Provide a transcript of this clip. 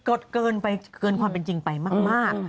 เกินไปเกินความเป็นจริงไปมาก